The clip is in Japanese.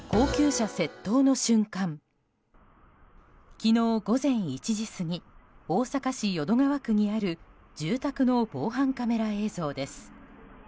昨日午前１時過ぎ大阪市淀川区にある住宅の防犯カメラ映像です。